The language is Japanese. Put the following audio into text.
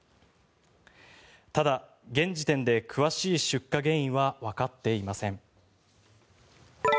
ただ、現時点で詳しい出火原因はわかっていません。